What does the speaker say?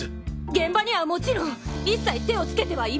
現場にはもちろん一切手をつけてはいません！